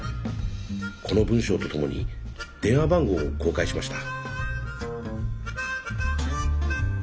この文章とともに電話番号を公開しました。